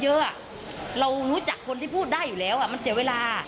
เยอะเรารู้จักคนที่พูดได้อยู่แล้วมันเสียเวลา